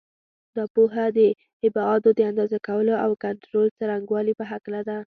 دا پوهه د ابعادو د اندازه کولو او کنټرول څرنګوالي په هکله ده.